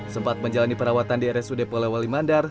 sempat menjalani perawatan di rsud polewali mandar